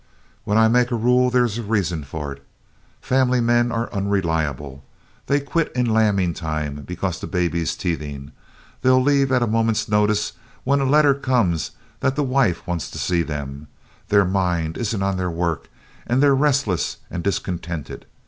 "When I make a rule there's a reason for it. 'Family men' are unreliable they'll quit in lambing time because the baby's teething; they'll leave at a moment's notice when a letter comes that their wife wants to see them; their mind isn't on their work and they're restless and discontented.